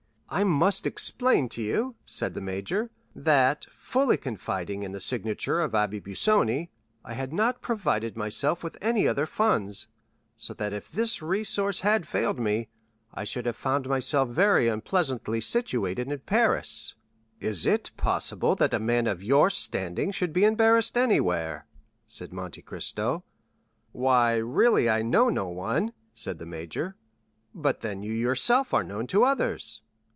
"I must explain to you," said the major, "that, fully confiding in the signature of the Abbé Busoni, I had not provided myself with any other funds; so that if this resource had failed me, I should have found myself very unpleasantly situated in Paris." "Is it possible that a man of your standing should be embarrassed anywhere?" said Monte Cristo. "Why, really I know no one," said the major. "But then you yourself are known to others?"